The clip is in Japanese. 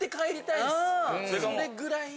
それぐらい。